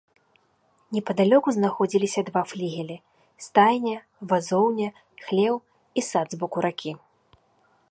Непадалёку знаходзіліся два флігелі, стайня, вазоўня, хлеў і сад з боку ракі.